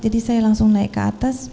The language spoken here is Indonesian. jadi saya langsung naik ke atas